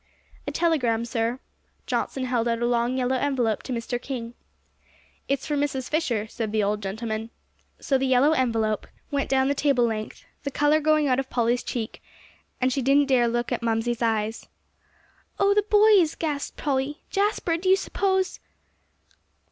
"A telegram, sir." Johnson held out a long yellow envelope to Mr. King. "It's for Mrs. Fisher," said the old gentleman. So the yellow envelope went down the table length, the color going out of Polly's cheek; and she didn't dare to look at Mamsie's eyes. "Oh the boys!" gasped Polly. "Jasper, do you suppose?"